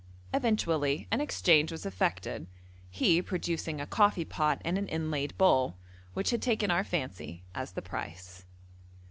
Eventually an exchange was effected, he producing a coffee pot and an inlaid bowl, which had taken our fancy, as the price.